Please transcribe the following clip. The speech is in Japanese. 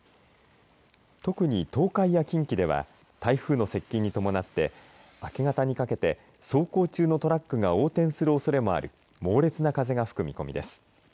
特に東海や近畿では台風の接近に伴って明け方にかけて走行中のトラックが横転するおそれもある猛烈な風が吹く見込みです。